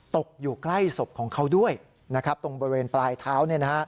ตกอยู่ใกล้ศพของเขาด้วยตรงบริเวณปลายเท้า